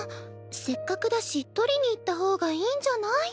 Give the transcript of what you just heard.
せっかくだし取りに行った方がいいんじゃない？